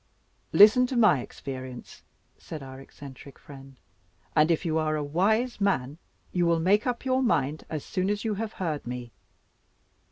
"Listen to my experience," said our eccentric friend, "and, if you are a wise man, you will make up your mind as soon as you have heard me.